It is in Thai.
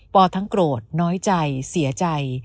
ทั้งโกรธน้อยใจเสียใจ